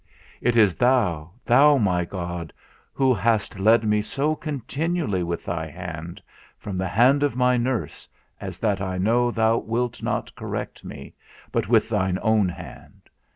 It is thou, thou my God, who hast led me so continually with thy hand, from the hand of my nurse, as that I know thou wilt not correct me, but with thine own hand.